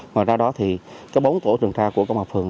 ngoài ra đó thì có bốn tổ tuần tra của công an phường